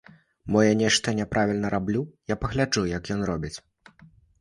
Мо я нешта няправільна раблю, я пагляджу як ён робіць.